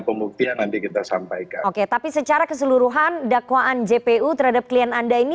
pembuktian nanti kita sampaikan oke tapi secara keseluruhan dakwaan jpu terhadap klien anda ini